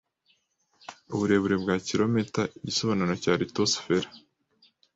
uburebure bwa kilometer Igisobanuro cya lithosifera